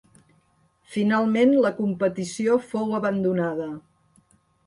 Finalment la competició fou abandonada.